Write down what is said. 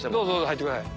入ってください。